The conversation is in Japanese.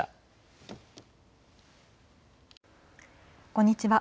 こんにちは。